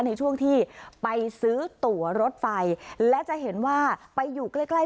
ในช่วงที่ไปซื้อตัวรถไฟและจะเห็นว่าไปอยู่ใกล้ใกล้